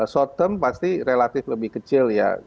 short term pasti relatif lebih kecil ya